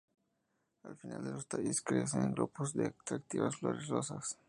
Al final de los tallos crecen grupos de atractivas flores rosas.